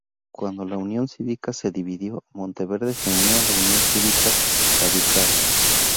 Cuando la Unión Cívica se dividió, Monteverde se unió a la Unión Cívica Radical.